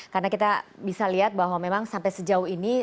karena kita bisa lihat bahwa memang sampai sejauh ini